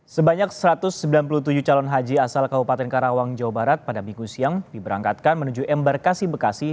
sebanyak satu ratus sembilan puluh tujuh calon haji asal kabupaten karawang jawa barat pada minggu siang diberangkatkan menuju embarkasi bekasi